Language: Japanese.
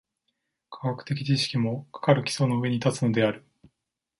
科学的知識も、かかる基礎の上に立つのである。